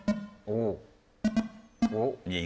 おっ？